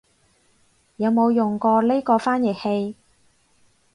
有冇用過呢個翻譯器